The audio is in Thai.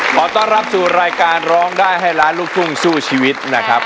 ขอต้อนรับสู่รายการร้องได้ให้ล้านลูกทุ่งสู้ชีวิตนะครับ